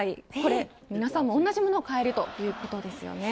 皆さん同じものを買えるということですよね。